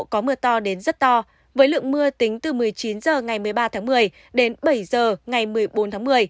có mưa to đến rất to với lượng mưa tính từ một mươi chín h ngày một mươi ba tháng một mươi đến bảy h ngày một mươi bốn tháng một mươi